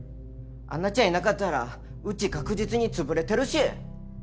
アンナちゃんいなかったらうち確実につぶれてるし！